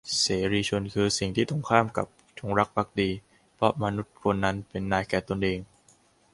เสรีชน คือสิ่งที่ตรงข้ามกับจงรักภักดี เพราะมนุษย์คนนั้นเป็นนายแก่ตนเอง